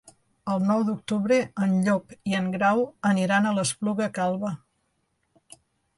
El nou d'octubre en Llop i en Grau aniran a l'Espluga Calba.